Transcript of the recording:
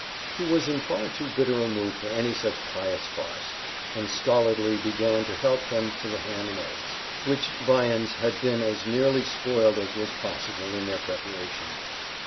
He was in far too bitter a mood for any such pious farce, and stolidly began to help them to the ham and eggs, which viands had been as nearly spoiled as was possible in their preparation.